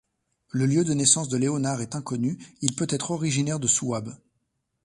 Le lieu de naissance de Leonhard est inconnu, il peut être originaire de Souabe.